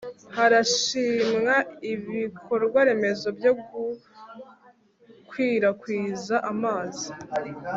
Harashimwa ibikorwaremezo byo gukwirakwiza amazi